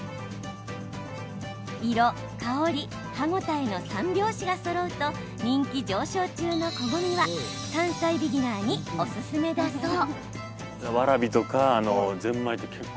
色・香り・歯応えの三拍子がそろうと人気上昇中のこごみは山菜ビギナーにおすすめだそう。